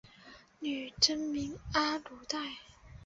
女真名阿鲁带。